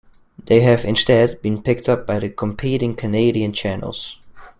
They have instead been picked up by competing Canadian channels.